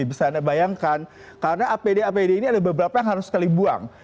bisa anda bayangkan karena apd apd ini ada beberapa yang harus sekali buang